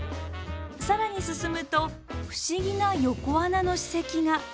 更に進むと不思議な横穴の史跡が。